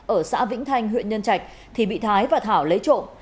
ở xã vĩnh thanh huyện nhân trạch thì bị thái và thảo lấy trộm